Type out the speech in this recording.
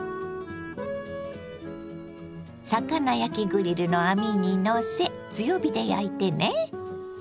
魚焼きグリルの網にのせ強火で焼いてね。